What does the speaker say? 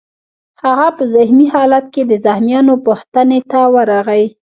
هغه په زخمي خالت کې د زخمیانو پوښتنې ته ورغی